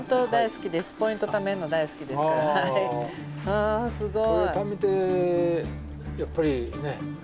あすごい。